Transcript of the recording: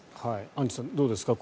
アンジュさんどうですか？